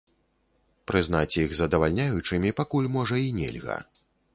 Прызнаць іх здавальняючымі пакуль, можа, і нельга.